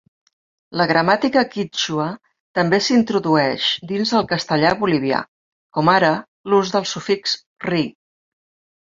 La gramàtica quítxua també s'introdueix dins el castellà bolivià, com ara l'ús del sufix -ri.